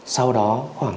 sau đó khoảng